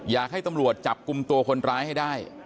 อยากให้ตำรวจจับกลุ่มตัวคนร้ายให้ได้